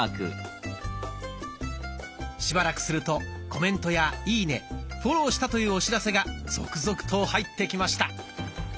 しばらくするとコメントやいいねフォローしたというお知らせが続々と入ってきました。